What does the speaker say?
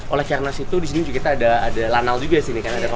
oleh karena situ di sini juga ada lanal juga sih